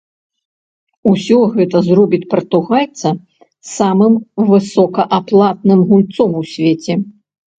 Усё гэта зробіць партугальца самым высокааплатным гульцом у свеце.